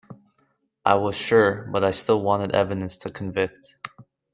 I was sure, but I still wanted evidence to convict.